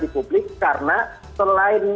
di publik karena selain